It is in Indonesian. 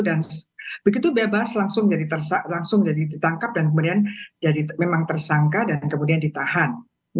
dan begitu bebas langsung jadi langsung jadi ditangkap dan kemudian jadi memang tersangka dan kemudian ditahan